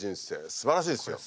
すばらしいですよ。